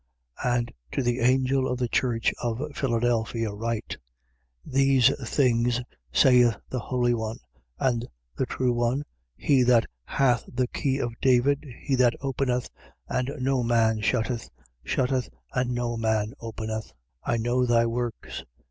3:7. And to the angel of the church of Philadelphia write: These things saith the Holy One and the true one, he that hath the key of David, he that openeth and no man shutteth, shutteth and no man openeth: 3:8. I know thy works.